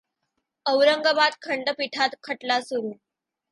औरंगाबाद खंडपीठात खटला सुरू.